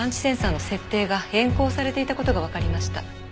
センサーの設定が変更されていた事がわかりました。